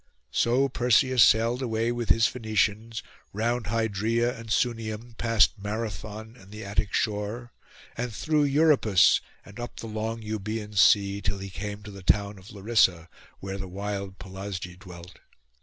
So Perseus sailed away with his Phoenicians, round Hydrea and Sunium, past Marathon and the Attic shore, and through Euripus, and up the long Euboean sea, till he came to the town of Larissa, where the wild Pelasgi dwelt.